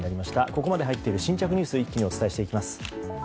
ここまでに入っている新着ニュースを一気にお伝えしていきます。